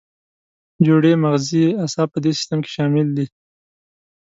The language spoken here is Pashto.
جوړې مغزي اعصاب په دې سیستم کې شامل دي.